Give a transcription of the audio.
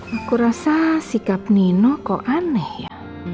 aku rasa sikap nino kok aneh ya